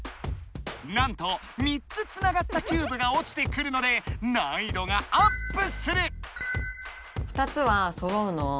なんと３つつながったキューブがおちてくるので難易度がアップする！